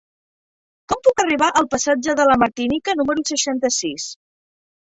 Com puc arribar al passatge de la Martinica número seixanta-sis?